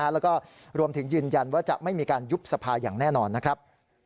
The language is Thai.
แล้วก็รวมถึงยืนยันว่าจะไม่มีการยุบสภาอย่างแน่นอนนะครับ